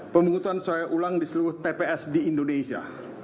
pemungutan suara ulang di seluruh tps di indonesia